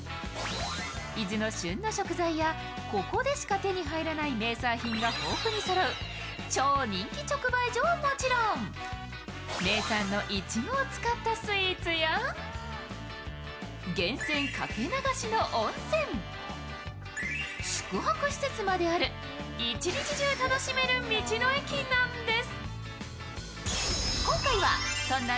伊豆の旬の食材やここでしか手に入らない名産品が抱負にそろう超人気直売所はもちろん名産のいちごを使ったスイーツや源泉掛け流しの温泉、宿泊施設まである、一日中楽しめる道の駅なんです。